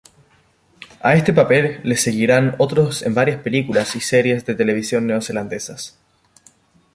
A este papel le seguirían otros en varias películas y series de televisión neozelandesas.